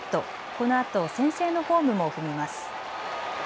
このあと先制のホームも踏みます。